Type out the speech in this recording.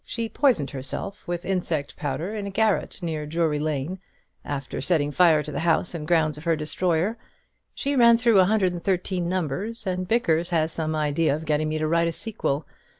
She poisoned herself with insect powder in a garret near Drury Lane, after setting fire to the house and grounds of her destroyer. She ran through a hundred and thirteen numbers, and Bickers has some idea of getting me to write a sequel.